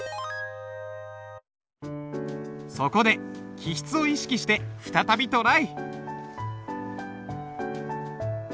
そこで起筆を意識して再びトライ！